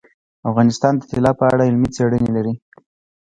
افغانستان د طلا په اړه علمي څېړنې لري.